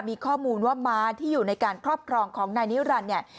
มีข้อมูลว่าม้าที่อยู่ในการครอบครองของนายนิรันดิ์เนี่ย